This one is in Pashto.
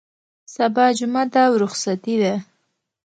سبا جمعه ده او رخصتي ده.